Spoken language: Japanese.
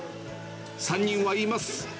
３人は言います。